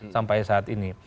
sampai saat ini